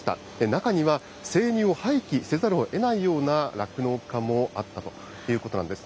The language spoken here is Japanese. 中には、生乳を廃棄せざるをえないような酪農家もあったということなんです。